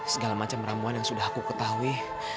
segala macam ramuan yang sudah aku ketahui